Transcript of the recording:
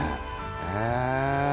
へえ！